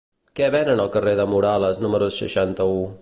Què venen al carrer de Morales número seixanta-u?